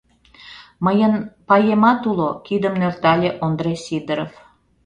— Мыйын паемат уло, — кидым нӧлтале Ондре Сидоров.